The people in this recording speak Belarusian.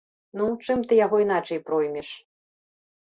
Ну, чым ты яго іначай проймеш?